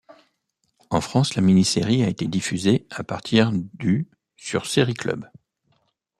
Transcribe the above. En France, la mini-série a été diffusée à partir du sur Série Club.